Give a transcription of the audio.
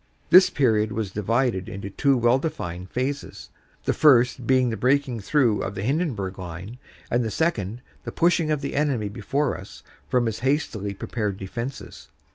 This period was divided into two well defined phases, the first being the breaking through of the Hindenburg Line, and the second the pushing of the enemy before us from his hastily prepared defenses.